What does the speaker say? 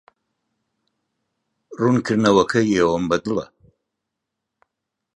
ڕوونکردنەوەی ئێوەم بەدڵە.